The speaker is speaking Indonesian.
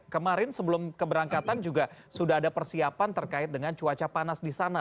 kemarin sebelum keberangkatan juga sudah ada persiapan terkait dengan cuaca panas di sana